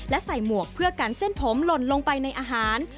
และใส่หมวกเพื่อกันเส้นผมหล่นลงไปในอาหาร